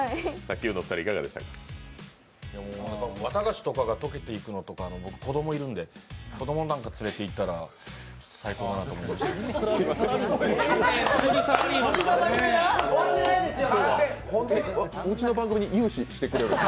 綿菓子とかが溶けていくのって子供いるので、子供なんか連れていったら最高だなーと思いました。